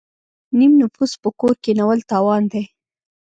نیم نفوس په کور کینول تاوان دی.